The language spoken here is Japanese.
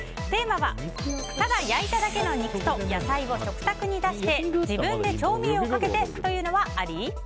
テーマはただ焼いただけの肉と野菜を食卓に出して自分で調味料をかけて！と言うのはアリ？